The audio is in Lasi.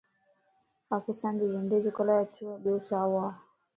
پاڪستان جي جنڊي جو ڪلر اڇو ٻيو سائو ا